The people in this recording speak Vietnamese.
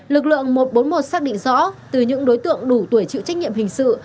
lực lượng một trăm bốn mươi một xác định rõ từ những đối tượng đủ tuổi chịu trách nhiệm hình sự